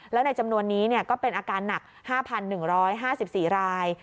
แล้วในจำนวนนี้ก็เป็นอาการหนัก๕๑๕๔ราย